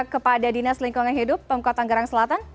kepada dinas lingkungan hidup pemkotan gerang selatan